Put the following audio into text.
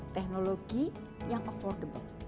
teknologi yang affordable